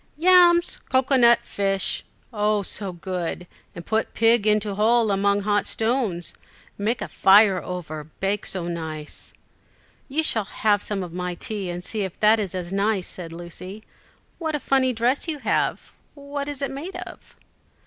"Yams, cocoa nut, fish oh, so good, and put pig into hole among hot stones, make a fire over, bake so nice!" "You shall have some of my tea and see if that is as nice," said Lucy. "What a funny dress you have; what is it made of?"